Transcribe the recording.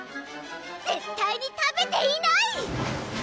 絶対に食べていない！